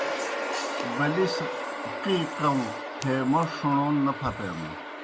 بلِس قی قؤں تھے موْݜ ݜُݨون نہ پھتینَن۔